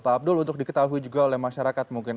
pak abdul untuk diketahui juga oleh masyarakat mungkin